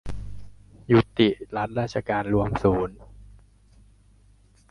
ยุติรัฐราชการรวมศูนย์